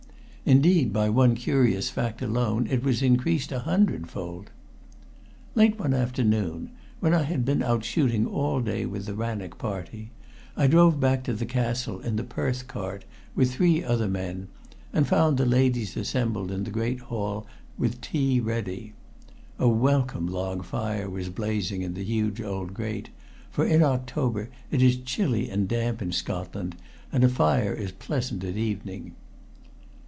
Indeed, by one curious fact alone it was increased a hundredfold. Late one afternoon, when I had been out shooting all day with the Rannoch party, I drove back to the castle in the Perth cart with three other men, and found the ladies assembled in the great hall with tea ready. A welcome log fire was blazing in the huge old grate, for in October it is chilly and damp in Scotland and a fire is pleasant at evening.